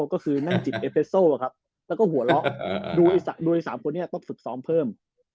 ก็คือนั่งจิบเอฟเฟสโซแล้วก็หัวเราะโดย๓คนนี้ต้องฝึกซ้อมเพิ่ม